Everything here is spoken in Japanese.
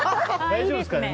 大丈夫ですかね？